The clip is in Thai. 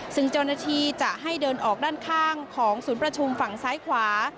ซึ่งเจ้าหน้าที่จะให้เดินออกด้านข้างของศูนย์ประชุมฝั่งซ้ายขวา